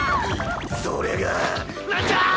それがなんじゃい！